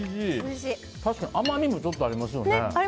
確かに甘みもちょっとありますよね。